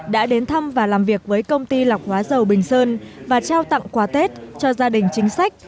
đã đến thăm và làm việc với công ty lọc hóa dầu bình sơn và trao tặng quà tết cho gia đình chính sách